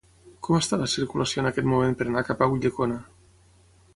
Com està la circulació en aquest moment per anar cap a Ulldecona?